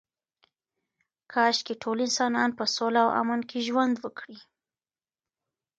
کاشکې ټول انسانان په سوله او امن کې ژوند وکړي.